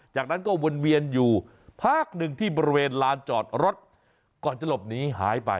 จากนั้นก็วนเวียนอยู่พักหนึ่งที่บริเวณลานจอดรถก่อนจะหลบหนีหายไป